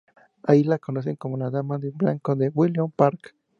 Allí la conocen como la Dama de blanco de Willow Park.